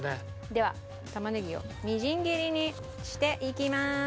では玉ねぎをみじん切りにしていきます。